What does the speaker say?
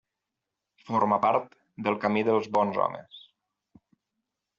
Forma part del Camí dels Bons Homes.